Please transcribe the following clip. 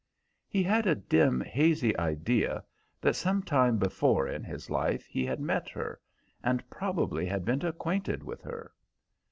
He had a dim, hazy idea that some time before in his life, he had met her, and probably had been acquainted with her.